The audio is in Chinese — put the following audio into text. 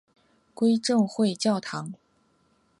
归正会教堂。